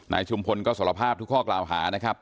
ชุมพลก็สารภาพทุกข้อกล่าวหานะครับ